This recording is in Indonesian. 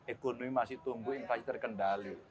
ekonomi masih tumbuh inflasi terkendali